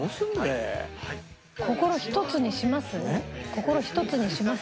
心ひとつにします？